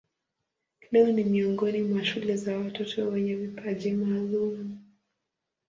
Leo ni miongoni mwa shule za watoto wenye vipaji maalumu.